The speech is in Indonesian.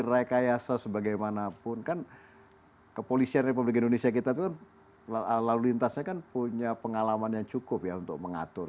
rekayasa sebagaimanapun kan kepolisian republik indonesia kita itu lalu lintasnya kan punya pengalaman yang cukup ya untuk mengatur